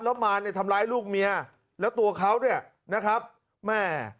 แล้วมารเนี่ยทำร้ายลูกเมียแล้วตัวเขาเนี่ยนะครับแม่